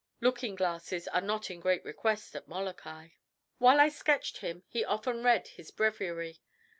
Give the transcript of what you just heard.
Looking glasses are not in great request at Molokai! While I sketched him he often read his breviary.